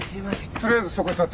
とりあえずそこへ座って。